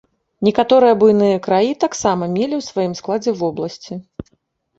Некаторыя буйныя краі таксама мелі ў сваім складзе вобласці.